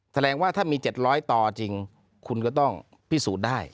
แสดงว่าถ้ามี๗๐๐ต่อจริงคุณก็ต้องพิสูจน์ได้